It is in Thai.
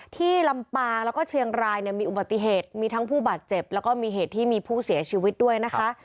ลำปางแล้วก็เชียงรายเนี่ยมีอุบัติเหตุมีทั้งผู้บาดเจ็บแล้วก็มีเหตุที่มีผู้เสียชีวิตด้วยนะคะ